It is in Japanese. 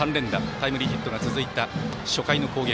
タイムリーヒットが続いた初回の攻撃